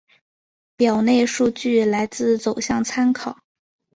表内数据来自走向参考